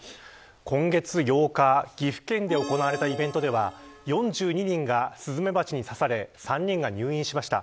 今月８日、岐阜県で行われたイベントでは４２人が、スズメバチに刺され３人が入院しました。